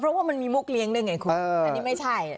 เพราะว่ามันมีมุกเลี้ยงด้วยไงคุณอันนี้ไม่ใช่